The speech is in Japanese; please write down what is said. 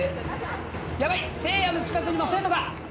ヤバいせいやの近くにも生徒が！